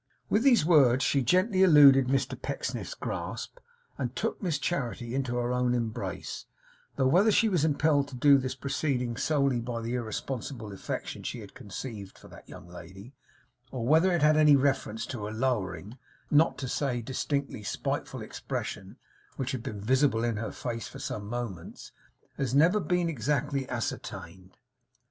With these words she gently eluded Mr Pecksniff's grasp, and took Miss Charity into her own embrace; though whether she was impelled to this proceeding solely by the irrepressible affection she had conceived for that young lady, or whether it had any reference to a lowering, not to say distinctly spiteful expression which had been visible in her face for some moments, has never been exactly ascertained.